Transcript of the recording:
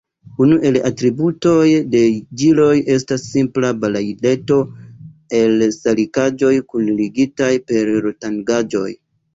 Unu el la atributoj de ĵiloj estas simpla balaileto el salikaĵoj, kunligitaj per rotangaĵoj.